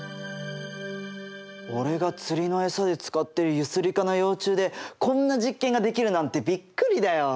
俺が釣りの餌で使ってるユスリカの幼虫でこんな実験ができるなんてびっくりだよ！